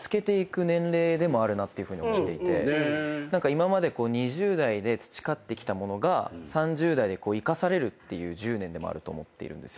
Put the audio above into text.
今まで２０代で培ってきたものが３０代で生かされるっていう１０年でもあると思ってるんですよ。